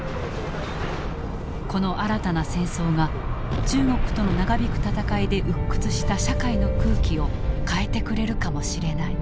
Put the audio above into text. この新たな戦争が中国との長引く戦いで鬱屈した社会の空気を変えてくれるかもしれない。